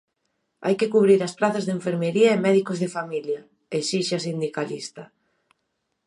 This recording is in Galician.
"Hai que cubrir as prazas de enfermaría e médicos de familia", esixe a sindicalista.